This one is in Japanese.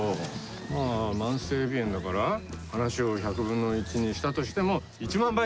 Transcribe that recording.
まあ慢性鼻炎だから話を１００分の１にしたとしても１万倍だぞ。